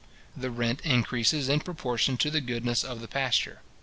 The rent increases in proportion to the goodness of the pasture.